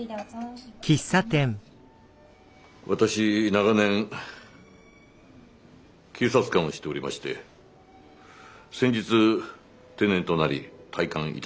私長年警察官をしておりまして先日定年となり退官いたしました。